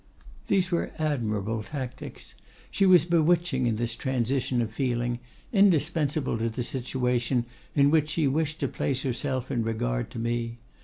"These were admirable tactics. She was bewitching in this transition of feeling, indispensable to the situation in which she wished to place herself in regard to me.